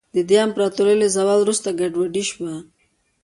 د دې امپراتورۍ له زوال وروسته ګډوډي شوه.